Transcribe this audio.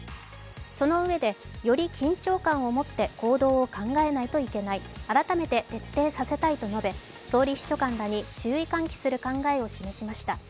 そのうえで、より緊張感を持って行動を考えないといけない、改めて徹底させたいと述べ総理秘書官らに注意喚起する考えを示しました。